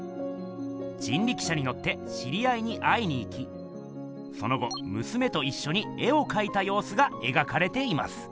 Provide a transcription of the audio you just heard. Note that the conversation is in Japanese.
人力車にのって知り合いに会いにいきその後娘といっしょに絵をかいたようすがえがかれています。